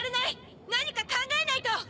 何か考えないと！